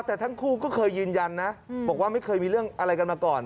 แต่ทั้งคู่ก็เคยยืนยันนะบอกว่าไม่เคยมีเรื่องอะไรกันมาก่อน